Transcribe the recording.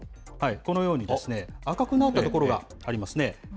このように赤くなった所がありますね。